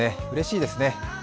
うれしいですね。